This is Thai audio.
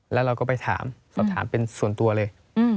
แล้วเราก็ไปถามสอบถามเป็นส่วนตัวเลย